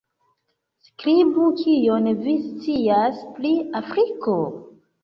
Skribu: Kion vi scias pri Afriko?